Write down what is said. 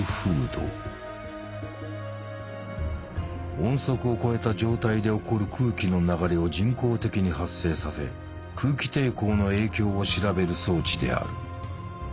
音速を超えた状態で起こる空気の流れを人工的に発生させ空気抵抗の影響を調べる装置である。